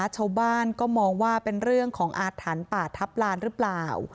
ชาวบ้านก็มองว่าเป็นเรื่องของอาถรรพ์ป่าทัพลานหรือเปล่า